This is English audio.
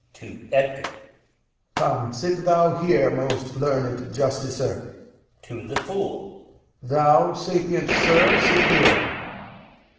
[To Edgar] Come, sit thou here, most learned justicer. [To the Fool] Thou, sapient sir, sit here.